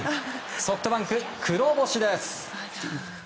ソフトバンク、黒星です。